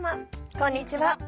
こんにちは。